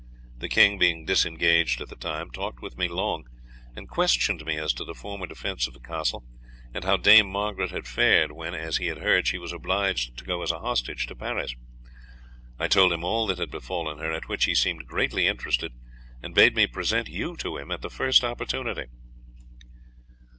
The king, being disengaged at the time, talked with me long, and questioned me as to the former defence of the castle, and how Dame Margaret had fared when, as he had heard, she was obliged to go as a hostage to Paris. I told him all that had befallen her, at which he seemed greatly interested, and bade me present you to him at the first opportunity.